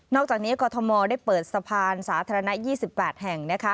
นอกจากนี้กอทมได้เปิดสะพานสาธารณะยี่สิบแปดแห่งนะคะ